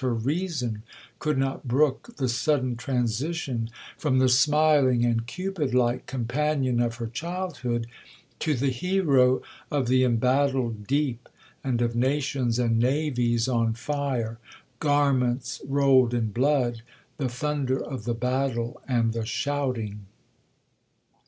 Her reason could not brook the sudden transition from the smiling and Cupid like companion of her childhood, to the hero of the embattled deep, and of nations and navies on fire,—garments rolled in blood,—the thunder of the battle and the shouting.